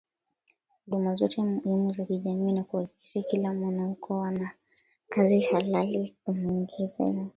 huduma zote muhimu za kijamii na kuhakikisha kila mwanaukoo ana kazi halali ya kumuingizia